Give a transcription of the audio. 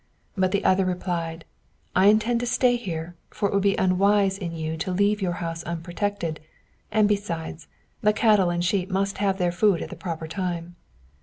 But the other replied, "I intend to stay here, for it would be unwise in you to leave your house unprotected; and besides, the cattle and sheep must have their food at the proper time."